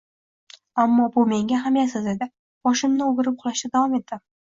Ammo bu menga ahamiyatsiz edi, boshimni o‘girib uxlashda davom etdim